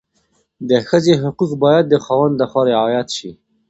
د ښځې حقوق باید د خاوند لخوا رعایت شي.